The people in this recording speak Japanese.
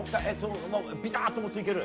ビターッともっといける？